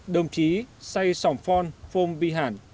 đồng chí say sổm phon phong vi hản